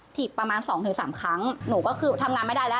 ถีบประมาณ๒๓ครั้งหนูก็คือทำงานไม่ได้แล้ว